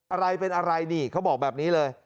อะไรเป็นอะไรนี่เขาบอกแบบนี้เลย